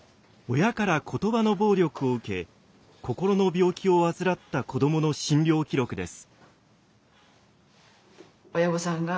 親から言葉の暴力を受け心の病気を患った子どもの診療記録です。